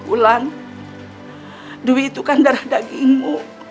ulan dwi itu kan darah dagingmu